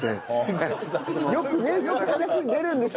よくねよく話に出るんですよ。